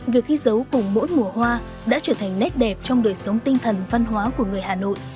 việc ghi dấu cùng mỗi mùa hoa đã trở thành nét đẹp trong đời sống tinh thần văn hóa của người hà nội